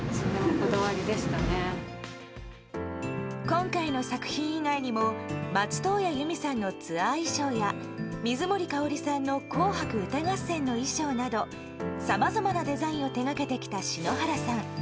今回の作品以外にも松任谷由実さんのツアー衣装や水森かおりさんの「紅白歌合戦」の衣装などさまざまなデザインを手がけてきた篠原さん。